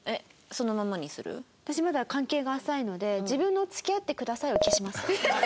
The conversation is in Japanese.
私まだ関係が浅いので自分の「付き合ってください」を消します。